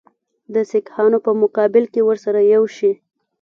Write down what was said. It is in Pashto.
د سیکهانو په مقابل کې ورسره یو شي.